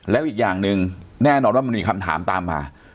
แล้วอีกอย่างหนึ่งแน่นอนว่ามันมีคำถามตามมา